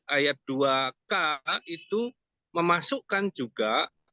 ayat dua k itu memasukkan juga